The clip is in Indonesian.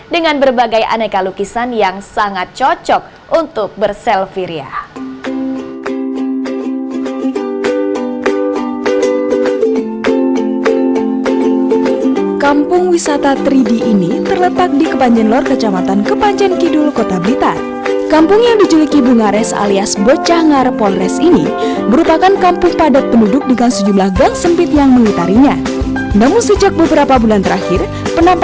dengan berbagai aneka lukisan yang sangat cocok untuk berselfie